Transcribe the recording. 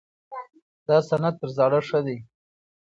دا سند تر زاړه ښه دی.